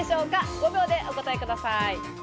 ５秒でお答えください。